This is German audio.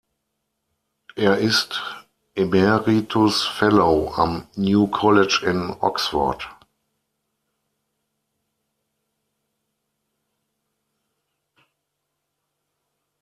Er ist Emeritus Fellow am New College in Oxford.